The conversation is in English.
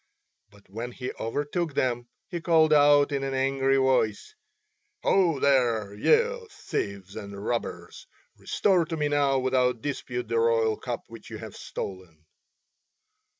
But when he overtook them he called out in an angry voice: "Ho, there, ye thieves and robbers. Restore to me now without dispute the royal cup which you have stolen."